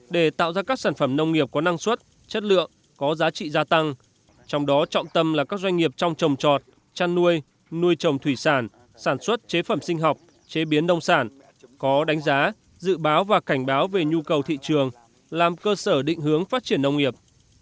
để tạo ra các sản phẩm nông nghiệp có năng suất chất lượng có giá trị gia tăng trong đó trọng tâm là các doanh nghiệp trong trồng trọt chăn nuôi nuôi trồng thủy sản sản xuất chế phẩm sinh học chế biến nông sản có đánh giá dự báo và cảnh báo về nhu cầu thị trường làm cơ sở định hướng phát triển nông nghiệp